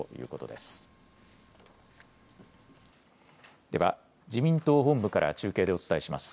では、自民党本部から中継でお伝えします。